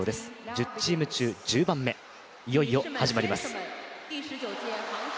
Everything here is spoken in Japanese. １０チーム中１０番目、いよいよ始まります。